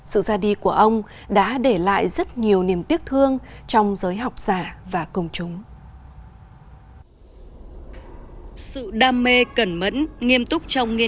sự ra đi của ông đã để lại rất nhiều niềm tiếc thương trong giới học giả